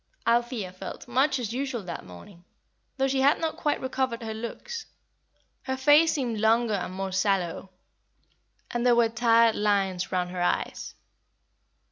Althea felt much as usual that morning, though she had not quite recovered her looks. Her face seemed longer and more sallow, and there were tired lines round her eyes.